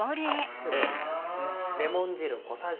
レモン汁ですね。